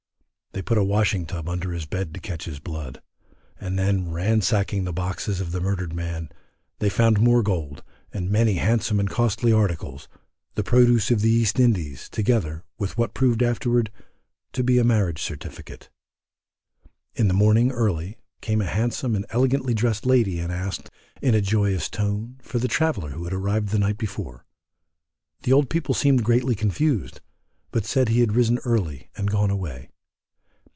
They put a washing tub under the bed to catch his blood. And then ransacking the boxes of the murdered man they found more gold, and many handsome and costly articles, the produce of the East Indies, together, with what proved afterwards, to be a marriage certificate. In the morning, early, came a handsome and elegantly dressed lady and asked, in a joyous tone, for the traveller who had arrived the night before. The old people seemed greatly confused, but said he had risen early and gone away.